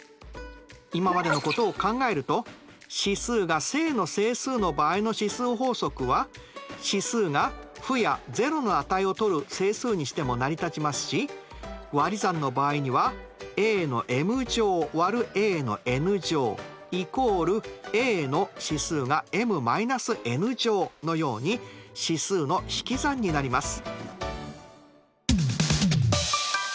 今までのことを考えると指数が正の整数の場合の指数法則は指数が負や０の値をとる整数にしても成り立ちますし割り算の場合にはａ÷ａ＝ａのように指数の引き算になります。